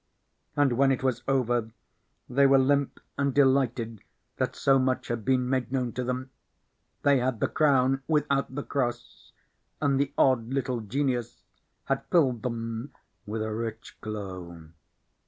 And when it was over they were limp and delighted that so much had been made known to them. They had the crown without the cross, and the odd little genius had filled them with a rich glow.